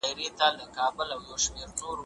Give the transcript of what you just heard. نیکي به پاتې وي.